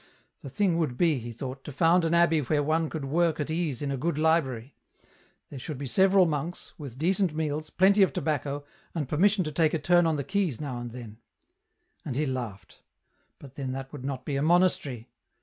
The thing would be, he thought, to found an abbey where one could work at ease in a good library; there should be several monks, with decent meals, plenty of tobacco, and permission to take a turn on the quays now and then. And he laughed ; but then that would not be a monastery